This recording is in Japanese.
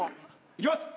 いきます